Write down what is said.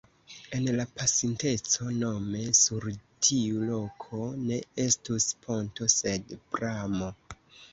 En la pasinteco nome sur tiu loko ne estus ponto sed pramo.